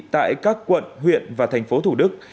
tại các quận huyện và thành phố thủ đức